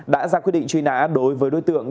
đã ra quyết định truy nã đối với đối tượng